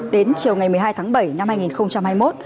đến chiều ngày một mươi hai tháng bảy năm hai nghìn hai mươi một